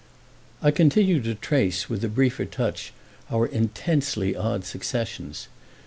I continue to trace with a briefer touch our intensely odd successions.